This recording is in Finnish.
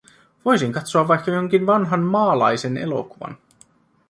Voisin katsoa vaikka jonkin vanhan maalaisen elokuvan.